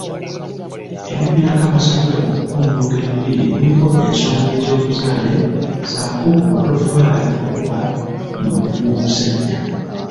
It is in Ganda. Ebiviirako abasajja okukuunyuuka enviiri kuliko ensonga ez'obuzaale ssaako obutaffaali obuba mu mubiri gw'omusajja